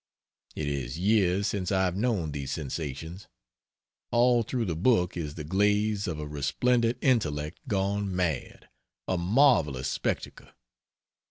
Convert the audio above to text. It is years since I have known these sensations. All through the book is the glaze of a resplendent intellect gone mad a marvelous spectacle.